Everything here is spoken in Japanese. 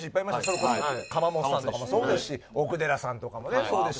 それこそ釜本さんとかもそうですし奥寺さんとかもねそうですし。